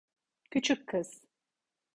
Küçük kız.